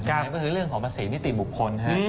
ก็คือเรื่องของภาษีนิติบุคคล